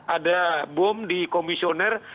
ada bom di komisioner